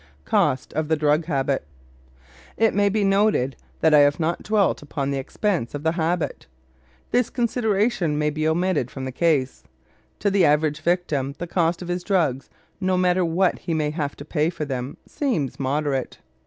COST OF THE DRUG HABIT It may be noted that I have not dwelt upon the expense of the habit. This consideration may be omitted from the case. To the average victim, the cost of his drugs, no matter what he may have to pay for them, seems moderate.